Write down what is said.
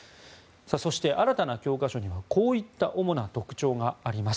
そして、新たな教科書にはこういった主な特徴があります。